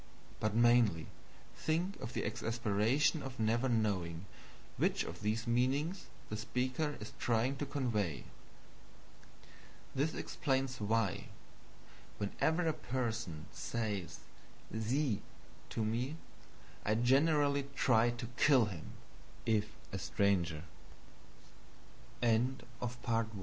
But mainly, think of the exasperation of never knowing which of these meanings the speaker is trying to convey. This explains why, whenever a person says SIE to me, I generally try to kill him, if a stranger. Now observe th